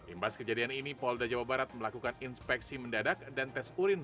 imbas kejadian ini polda jawa barat melakukan inspeksi mendadak dan tes urin